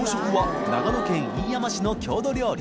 長野県飯山市の郷土料理